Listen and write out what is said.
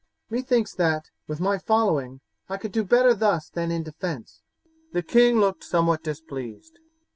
Methinks that, with my following, I could do better thus than in defence." The king looked somewhat displeased.